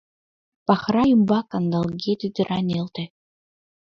Пахра ӱмбак кандалге тӱтыра нӧлтӧ.